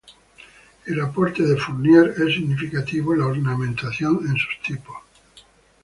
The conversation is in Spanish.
El aporte de Fournier es significativo en la ornamentación en sus tipos.